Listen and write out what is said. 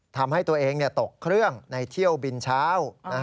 ทำให้ตัวเองตกเครื่องในเที่ยวบินเช้า